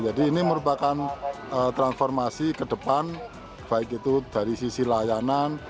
jadi ini merupakan transformasi ke depan baik itu dari sisi layanan